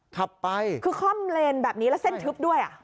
ขับไปคือคล่อมเลนแบบนี้แล้วเส้นทึบด้วยอ่ะ